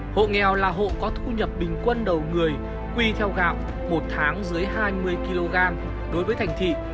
hộ nghèo là hộ có thu nhập bình quân đầu người quy theo gạo một tháng dưới hai mươi kg đối với thành thị